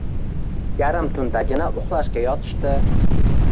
Yarim tundagina uxlashga yotishdi